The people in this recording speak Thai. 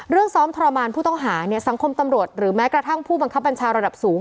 ซ้อมทรมานผู้ต้องหาเนี่ยสังคมตำรวจหรือแม้กระทั่งผู้บังคับบัญชาระดับสูง